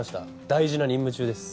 大事な任務中です。